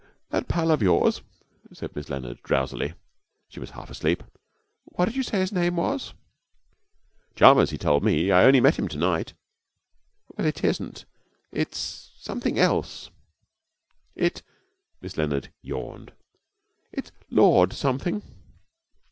'That pal of yours,' said Miss Leonard, drowsily she was half asleep 'what did you say his name was?' 'Chalmers, he told me. I only met him to night.' 'Well, it isn't; it's something else. It' Miss Leonard yawned 'it's Lord something.'